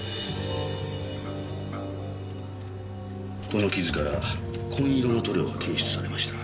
この傷から紺色の塗料が検出されました。